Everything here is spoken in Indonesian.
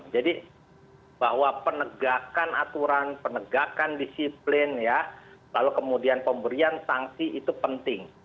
jadi bahwa penegakan aturan penegakan disiplin lalu kemudian pemberian sanksi itu penting